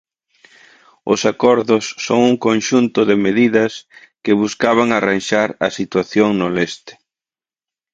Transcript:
Os acordos son un conxunto de medidas que buscaban arranxar a situación no leste.